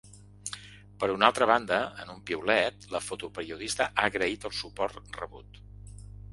Per una altra banda, en un piulet, la fotoperiodista ha agraït el suport rebut.